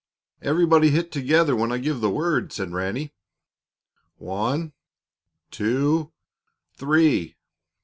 "Everybody hit together when I give the word," said Ranny. "One, two three!"